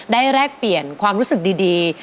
แลกเปลี่ยนความรู้สึกดี